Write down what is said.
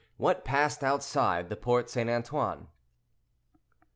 WHAT PASSED OUTSIDE THE PORTE ST. ANTOINE.